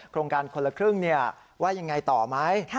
โครงการคนละครึ่งว่ายังไงต่อไหม